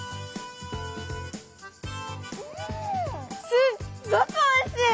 すっごくおいしい！